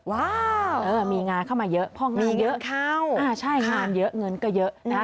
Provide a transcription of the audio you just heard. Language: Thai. ว้าวมีงานเข้ามาเยอะพองงานเยอะเข้าอ่าใช่งานเยอะเงินก็เยอะนะฮะ